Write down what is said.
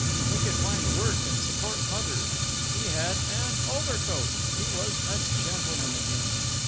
He could find work and support Mother. He had an overcoat! He was a gentleman again!